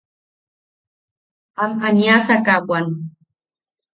Am aniasaka bwan.